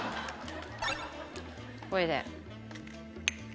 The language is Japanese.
これで。